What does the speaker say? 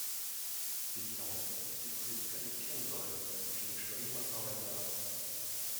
Sie glauben, dass die Politiker diktieren sollten, wie viele Stunden man arbeiten darf.